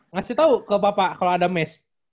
ngasih tahu ke bapak kalau ada mes